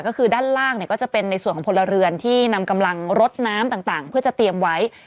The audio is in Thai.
ก็คือด้านล่างก็จะเป็นในส่วนของพลเรือนที่นำกำลังรดน้ำต่างเพื่อจะเตรียมไว้